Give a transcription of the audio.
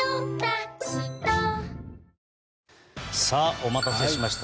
お待たせしました。